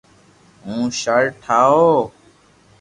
ھون ݾرٽ ٺاو